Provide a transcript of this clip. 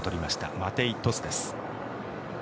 マテイ・トスです。